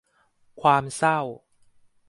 ความเศร้า